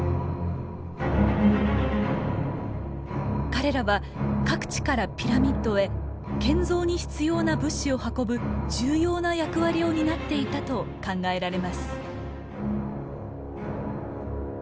彼らは各地からピラミッドへ建造に必要な物資を運ぶ重要な役割を担っていたと考えられます。